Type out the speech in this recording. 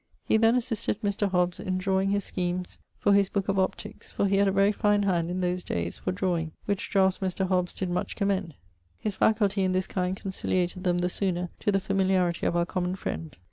He then assisted Mr. Hobbes in draweing his schemesfor his booke of optiques, for he had a very fine hand in those dayes for draweing, which draughts Mr. Hobbes did much commend. His facultie in this kind conciliated them the sooner to the familiarity of our common friend.